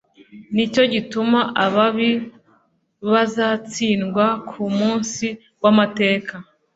Ni cyo gituma ababi bazatsindwa ku munsi w’amateka